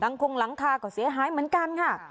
คงหลังคาก็เสียหายเหมือนกันค่ะ